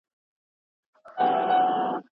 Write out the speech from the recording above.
ازاد انسان مه خرڅوئ.